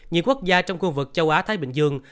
nhiều quốc gia trong khu vực châu á thái bình dương